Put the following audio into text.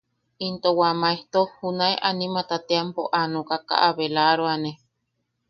Into wa maejto junae animata teampo a nokaka a belaroane.